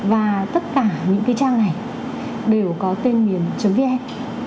và tất cả những cái trang này đều có tên miền vn